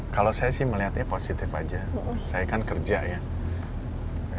kalau saya sih melihatnya positif aja saya kan kerja ya